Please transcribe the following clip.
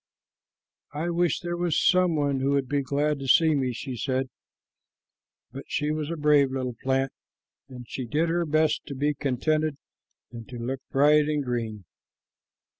"I wish there was some one who would be glad to see me," she said; but she was a brave little plant, and she did her best to be contented and to look bright and green.